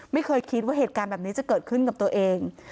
ไม่เคยคิดว่าเหตุการณ์แบบนี้จะเกิดขึ้นกับตัวเอง